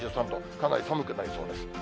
かなり寒くなりそうです。